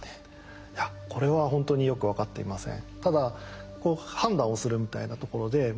いやこれはほんとによく分かっていません。